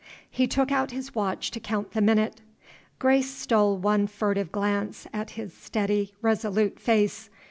He took out his watch to count the minute. Grace stole one furtive glance at his steady, resolute face.